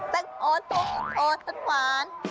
แตงโต๊ะโต๊ะโต๊ะท่านขวาน